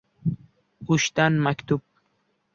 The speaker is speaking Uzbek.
O‘shdan maktub